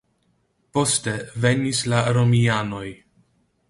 Poste venis la romianoj.